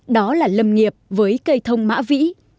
đó là lâm nghiệp với cây thông mã vĩ